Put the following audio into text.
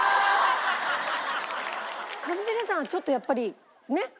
一茂さんはちょっとやっぱりねっ？